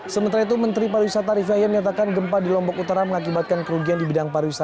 sementara itu menteri pariwisata rifah yang menyatakan gempa di lombok utara mengakibatkan kerugian di bidang pariwisata